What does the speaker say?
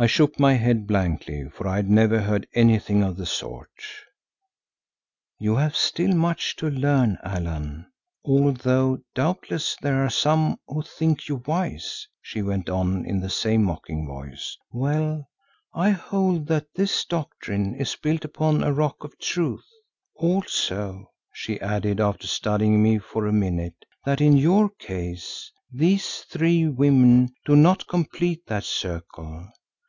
I shook my head blankly, for I had never heard anything of the sort. "You have still much to learn, Allan, although doubtless there are some who think you wise," she went on in the same mocking voice. "Well, I hold that this doctrine is built upon a rock of truth; also," she added after studying me for a minute, "that in your case these three women do not complete that circle.